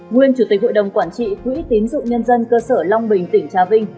nguyên chủ tịch hội đồng quản trị quỹ tín dụng nhân dân cơ sở long bình tỉnh trà vinh